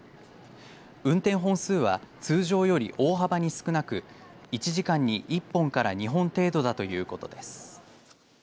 運転本数は通常より大幅に少なく１時間に１本から２本程度だということです。